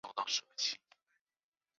苞叶蓟为菊科蓟属的植物。